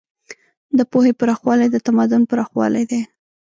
د پوهې پراخوالی د تمدن پراخوالی دی.